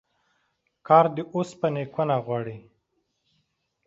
کار د اوسپني کونه غواړي.